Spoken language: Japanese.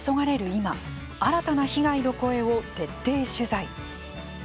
今新たな被害の声を徹底取材。